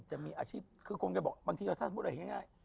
จะมีอาชีพคือคงจะบอกบางทีเราใช้สมมติแบบง่าย